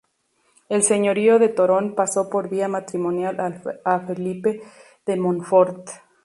El señorío de Torón pasó por vía matrimonial a Felipe de Montfort.